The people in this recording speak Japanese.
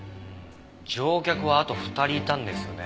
乗客はあと２人いたんですよね。